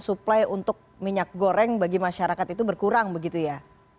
suplai untuk minyak goreng bagi masyarakat itu berkurang begitu ya